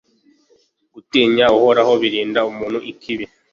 gutinya Uhoraho birinda umuntu ikibi